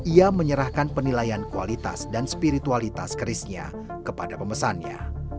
ia menyerahkan penilaian kualitas dan spiritualitas kerisnya kepada pemesannya